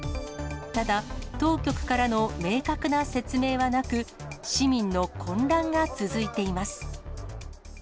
ただ、当局からの明確な説明はなく、市民の混乱が続いています。